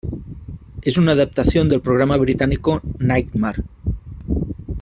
Es una adaptación del programa británico "Knightmare".